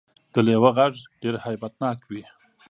د لیوه غږ ډیر هیبت ناک وي